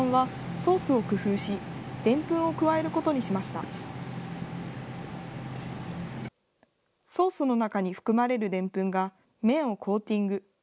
ソースの中に含まれるでんぷんが、麺をコーティング。